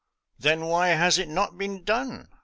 " Then why has it not been done?"